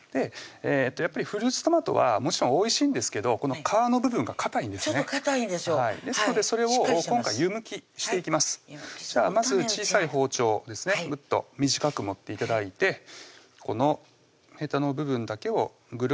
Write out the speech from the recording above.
やっぱりフルーツトマトはもちろんおいしいんですけどこの皮の部分がかたいんですねですのでそれを今回湯むきしていきますじゃあまず小さい包丁ですねぐっと短く持って頂いてこのへたの部分だけをぐるりと取り除いていきます